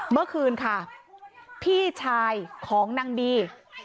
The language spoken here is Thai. เมื่อคืนค่ะพี่ชายของนางดี